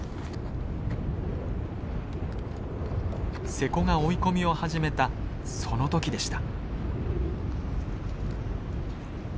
勢子が追い込みを始めたその時でした。